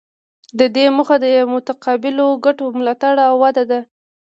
د دې موخه د متقابلو ګټو ملاتړ او وده ده